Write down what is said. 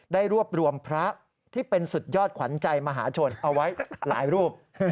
ได้รวบรวมพระที่เป็นสุดยอดขวัญใจมหาชนเอาไว้หลายรูป